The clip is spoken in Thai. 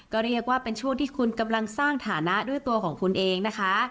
ก็เรียกว่าเป็นช่วงที่คุณกำลังสร้างฐานะด้วยตัวของคุณเองนะคะ